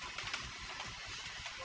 mau jadi kayak gini sih salah buat apa